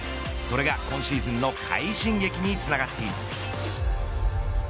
それが今シーズンの快進撃につながっています。